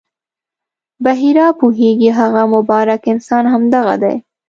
بحیرا پوهېږي هغه مبارک انسان همدغه دی.